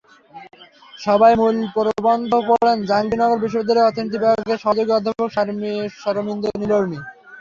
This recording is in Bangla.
সভায় মূল প্রবন্ধ পড়েন জাহাঙ্গীরনগর বিশ্ববিদ্যালয়ের অর্থনীতি বিভাগের সহযোগী অধ্যাপক শরমিন্দ নিলোর্মী।